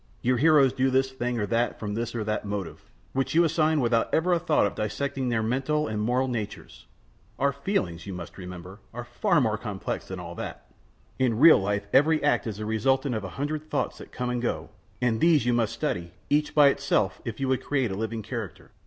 Your heroes do this thing or that from this or that motive, which you assign without ever a thought of dissecting their mental and moral natures. Our feelings, you must remember, are far more complex than all that. In real life every act is the resultant of a hundred thoughts that come and go, and these you must study, each by itself, if you would create a living character.